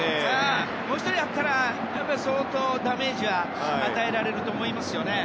もう１人あったら相当ダメージは与えられたと思いますよね。